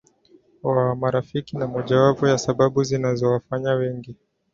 wa marafiki ni mojawapo ya sababu zinazowafanya wengi